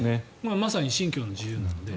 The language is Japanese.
まさに信教の自由なので。